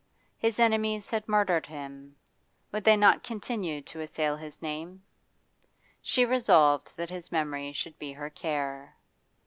His enemies had murdered him; would they not continue to assail his name? She resolved that his memory should be her care.